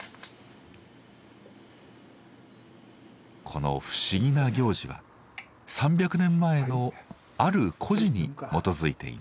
この不思議な行事は３００年前のある故事に基づいています。